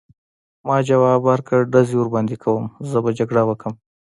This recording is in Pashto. ما ځواب ورکړ: ډزې ورباندې کوم، زه به جګړه وکړم.